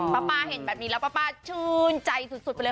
ป้าเห็นแบบนี้แล้วป้าชื่นใจสุดไปเลย